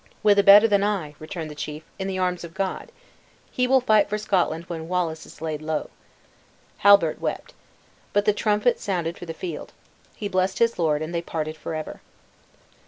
"With a better than I," returned the chief, "in the arms of God. He will fight for Scotland when Wallace is laid low." Halbert wept. But the trumpet sounded for the field. He blessed his lord, and they parted forever.